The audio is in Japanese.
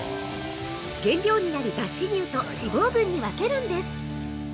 原料になる脱脂乳と脂肪分に分けるんです。